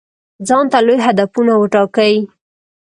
ځانته لوی هدفونه وټاکئ.